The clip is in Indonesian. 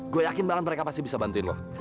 gue yakin banget mereka pasti bisa bantuin lo